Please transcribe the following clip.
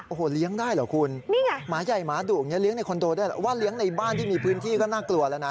โอ้โหเลี้ยงได้เหรอคุณนี่ไงหมาใหญ่หมาดุอย่างนี้เลี้ยในคอนโดด้วยว่าเลี้ยงในบ้านที่มีพื้นที่ก็น่ากลัวแล้วนะ